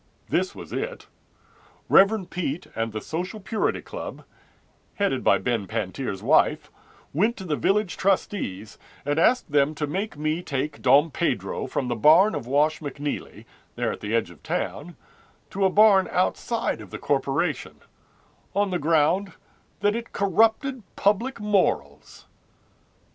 This was it: Rev. Peet and the Social Purity Club, Headed by Ben Pantier's wife, Went to the Village trustees, And asked them to make me take Dom Pedro From the barn of Wash McNeely, there at the edge of town, To a barn outside of the corporation, On the ground that it corrupted public morals.